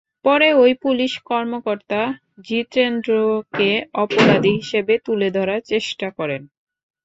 পরে ওই পুলিশ কর্মকর্তা জিতেন্দ্রকে অপরাধী হিসেবে তুলে ধরার চেষ্টা করেন।